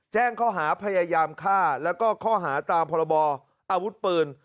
แจ้งข้อหาพยายามฆ่าแล้วก็ข้อหาตามพรบออาวุธปืน